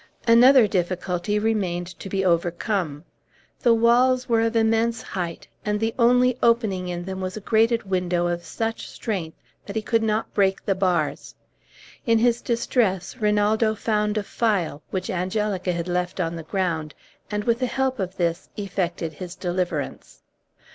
Another difficulty remained to be overcome. The walls were of immense height, and the only opening in them was a grated window of such strength that he could not break the bars. In his distress Rinaldo found a file, which Angelica had left on the ground, and, with the help of this, effected his deliverance.